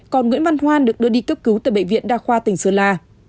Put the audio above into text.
còn nguyễn văn hoan được đưa đi cấp cứu tại bệnh viện đa khoa tỉnh sơn la